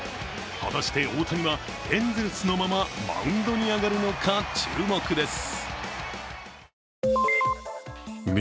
果たして大谷はエンゼルスのままマウンドに上がるのか、注目です。